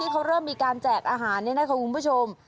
เขาเริ่มมีการแจกอาหารนี่นะคะคุณผู้ชม